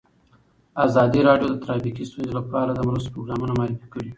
ازادي راډیو د ټرافیکي ستونزې لپاره د مرستو پروګرامونه معرفي کړي.